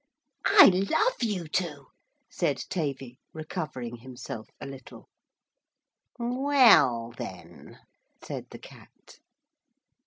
'I love you to,' said Tavy recovering himself a little. 'Well then,' said the Cat.